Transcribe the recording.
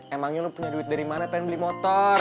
emangnya lu punya duit dari mana pengen beli motor